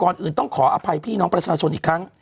อื่นต้องขออภัยพี่น้องประชาชนอีกครั้ง